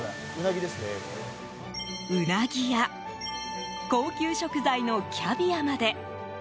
ウナギや高級食材のキャビアまで。